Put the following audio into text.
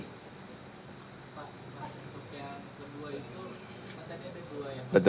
pak untuk yang kedua itu